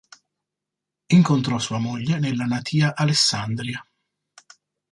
Incontrò sua moglie nella natia Alessandria.